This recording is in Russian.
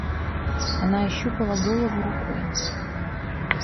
Она ощупала голову рукой.